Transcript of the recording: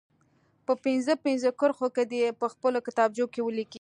په پنځه پنځه کرښو کې دې په خپلو کتابچو کې ولیکي.